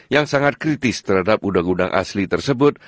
yang sangat kritis terhadap undang undang asli tersebut